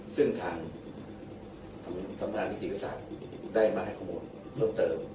ซึ่งทางทำงานนิติวิทยาศาสตร์ได้มาให้ข้อมูลเพิ่มเติม